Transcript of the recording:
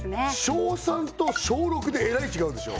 小３と小６でえらい違うでしょ